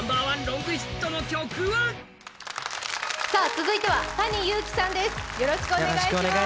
続いてはＴａｎｉＹｕｕｋｉさんです。